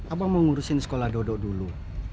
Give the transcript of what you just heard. abang mau ngurusin sekolah dodo dulu